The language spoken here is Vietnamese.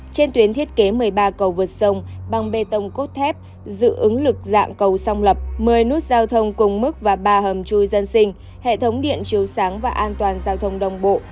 trên tuyến thiết kế một mươi ba cầu vượt sông bằng bê tông cốt thép giữ ứng lực dạng cầu song lập một mươi nút giao thông cùng mức và ba hầm chui dân sinh hệ thống điện chiếu sáng và an toàn giao thông đồng bộ